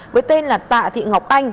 với tên là tạ thị ngọc anh